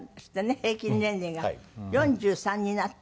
平均年齢が４３になった？